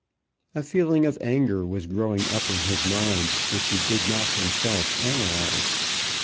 A feeling of anger was growing up in his mind which he did not himself analyze.